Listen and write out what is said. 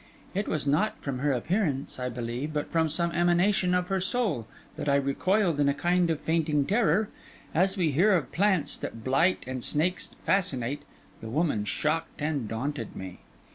It was not from her appearance, I believe, but from some emanation of her soul, that I recoiled in a kind of fainting terror; as we hear of plants that blight and snakes that fascinate, the woman shocked and daunted me.